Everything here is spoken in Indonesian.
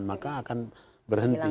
maka akan berhenti